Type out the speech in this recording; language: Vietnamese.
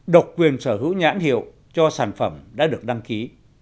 độc quyền sở hữu nhãn hiệu cho sản phẩm đã được đăng ký